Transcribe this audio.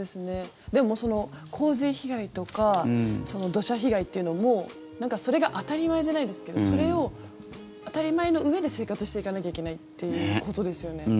でも、洪水被害とか土砂被害というのももうそれが当たり前じゃないですけどそれを当たり前の上で生活していかなきゃいけないということですよね。